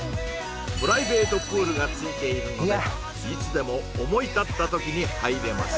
プライベートプールがついているのでいつでも思い立った時に入れます